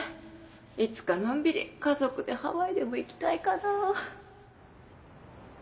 いつかのんびり家族でハワイでも行きたいかな